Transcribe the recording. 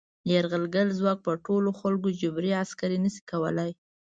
یرغلګر ځواک په ټولو خلکو جبري عسکري نه شي کولای.